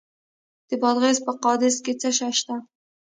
د بادغیس په قادس کې څه شی شته؟